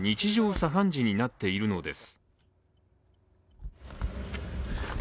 茶飯事になっているのです。